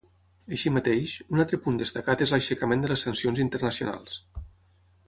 Així mateix, un altre punt destacat és l’aixecament de les sancions internacionals.